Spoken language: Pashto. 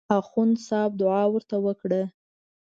اخندصاحب دعا ورته وکړه.